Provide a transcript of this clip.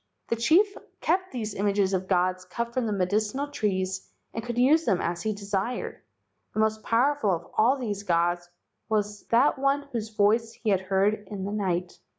The chief kept these images of gods cut from the medicinal trees and could use them as he desired. The most powerful of all these gods was that one whose voice he had heard in the night.